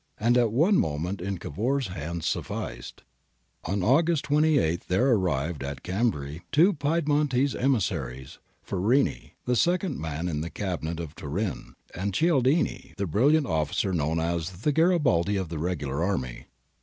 And that one moment in Cavour's hands sufficed. On August 28 there arrived at Chambery two Pied montese emissaries — Farini, the second man in the Cabinet of Turin, and Cialdini, the brilliant officer known as ' the Garibaldi of the regular army.'